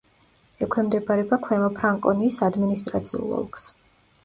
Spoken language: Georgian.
ექვემდებარება ქვემო ფრანკონიის ადმინისტრაციულ ოლქს.